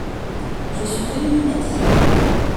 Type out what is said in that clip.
Je suis venu m’y mettre !